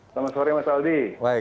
selamat sore mas aldi